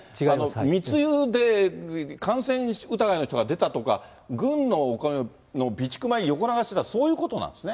密輸で感染疑いの人が出たとか、軍のお金の備蓄米を横流ししてた、そういうことなんですね。